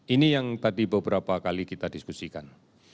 ini yang tadi beberapa kali kita diskusikan